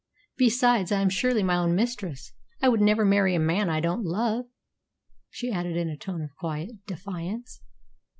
Besides, I am surely my own mistress. I would never marry a man I don't love," she added in a tone of quiet defiance.